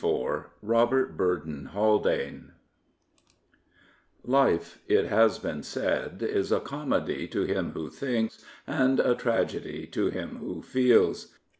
280 RICHARD BURDON HALDANE Life, it has been said, is a comedy to him who thinks and a tragedy to him who feels.